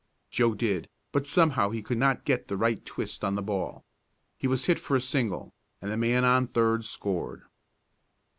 Joe did, but somehow he could not get the right twist on the ball. He was hit for a single, and the man on third scored.